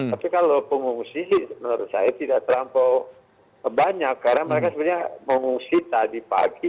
tapi kalau pengungsi sih menurut saya tidak terlampau banyak karena mereka sebenarnya mengungsi tadi pagi